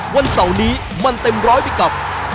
วันเสาร์นี้มันเต็มร้อยไปกับ